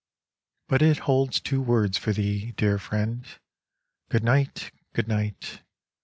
But it holds two words for thee, dear Friend, Good night, Good night!